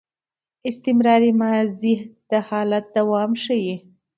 استمراري ماضي د حالت دوام ښيي.